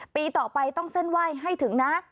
ปีต่อไปต้องเส้นไหว้ให้ถึงนะ